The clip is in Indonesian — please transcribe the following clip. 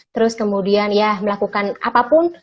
terus kemudian ya melakukan apapun